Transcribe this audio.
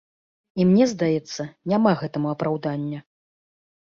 І мне здаецца, няма гэтаму апраўдання.